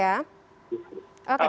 apa maunya dihorenta